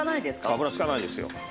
油引かないですよ。